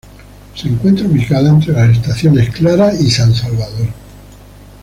Se encuentra ubicada entre las estaciones Clara y San Salvador.